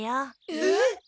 えっ？